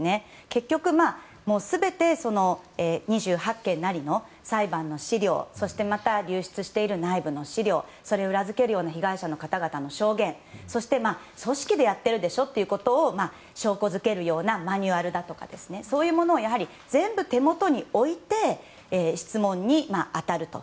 結局、全て２８件なりの裁判の資料そして、流出している内部の資料それを裏付けるような被害者の方々の証言そして組織でやっているでしょということを証拠づけるようなマニュアルだとかそういうものを全部手元に置いて質問に当たる。